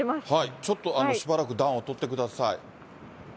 ちょっとしばらく暖をとってください。